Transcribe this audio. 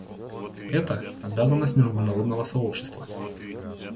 Это — обязанность международного сообщества.